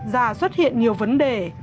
và xuất hiện nhiều vấn đề